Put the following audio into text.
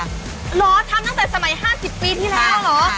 เหรอทำตั้งแต่สมัย๕๐ปีที่แล้วเหรอ